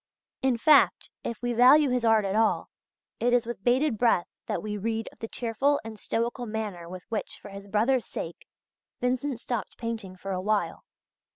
In fact, if we value his art at all, it is with bated breath that we read of the cheerful and stoical manner with which for his brother's sake Vincent stopped painting for a while (page 102).